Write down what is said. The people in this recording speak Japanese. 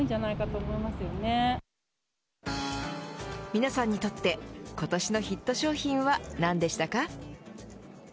皆さんにとって今年のヒット商品は何でしたか。